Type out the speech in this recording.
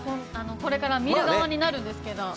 これから見る側になるんですけど。